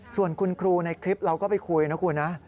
ส่วนคุณครูในคลิปเราก็ไปคุยนะคุณนะ